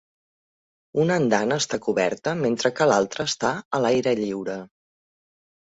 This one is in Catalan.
Una andana està coberta mentre que l'altra està a l'aire lliure.